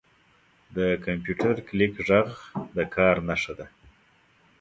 • د کمپیوټر کلیک ږغ د کار نښه ده.